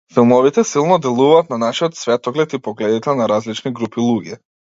Филмовите силно делуваат на нашиот светоглед и погледите на различни групи луѓе.